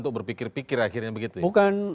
untuk berpikir pikir akhirnya begitu ya